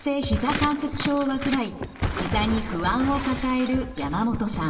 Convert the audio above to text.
関節症を患いひざに不安を抱える山本さん。